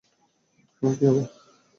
এখন কী আবার?